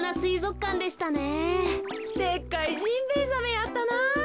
でっかいジンベイザメやったな。